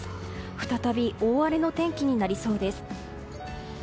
再び大荒れの天気になりそうです。